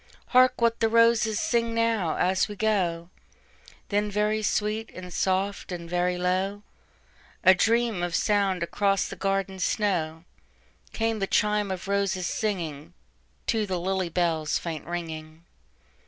"Hark what the roses sing now, as we go;"Then very sweet and soft, and very low,—A dream of sound across the garden snow,—Came the chime of roses singingTo the lily bell's faint ringing.